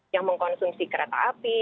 yang mengkonsumsi kereta api